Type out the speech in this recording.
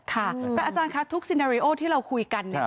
แต่อาจารย์คะทุกซีเนอร์โอที่เราคุยกันเนี่ย